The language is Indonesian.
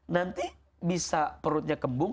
nanti bisa perutnya kembung